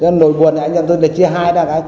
nỗi buồn thì anh em tôi chia hai ra